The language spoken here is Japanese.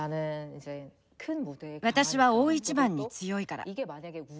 私は大一番に強いから。